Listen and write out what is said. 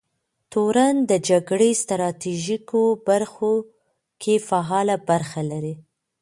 تورن د جګړې ستراتیژیکو برخو کې فعاله برخه لري.